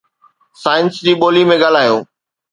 science جي ٻولي ۾ ڳالهايو